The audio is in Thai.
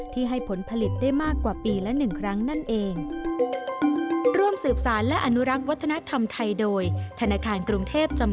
ให้ผลผลิตได้มากกว่าปีละ๑ครั้งนั่นเอง